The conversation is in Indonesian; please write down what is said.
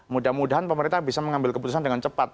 mudah mudahan pemerintah bisa mengambil keputusan dengan cepat